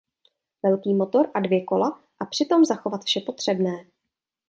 Velký motor a dvě kola a přitom zachovat vše potřebné.